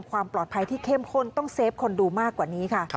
ความปลอดภัยที่เข้มข้นต้องเซฟคนดูมากกว่านี้ค่ะ